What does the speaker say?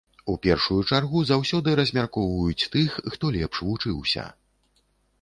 У першую чаргу заўсёды размяркоўваюць тых, хто лепш вучыўся.